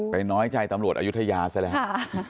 ใกล้น้อยใจตำรวจอยุธยาซะแหละ